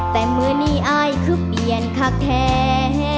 แต่มือนี้อายคือเปลี่ยนคักแท้